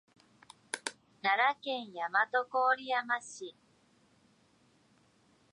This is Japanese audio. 奈良県大和郡山市